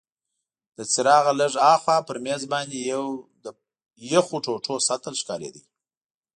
له څراغه لږ هاخوا پر مېز باندي یو د یخو ټوټو سطل ښکارید.